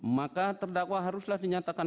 maka terdakwa haruslah dinyatakan